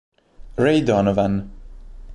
Ray Donovan